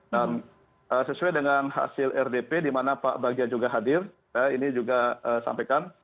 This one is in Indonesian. dan sesuai dengan hasil rdp di mana pak bagia juga hadir ya ini juga disampaikan